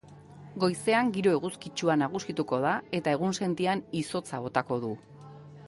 Goizean giro eguzkitsua nagusituko da eta egunsentian izotza botako du.